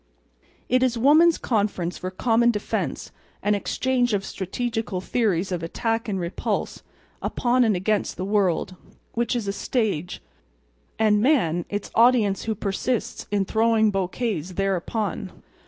It is Woman's Conference for Common Defense and Exchange of Strategical Theories of Attack and Repulse upon and against the World, which is a Stage, and Man, its Audience who Persists in Throwing Bouquets Thereupon.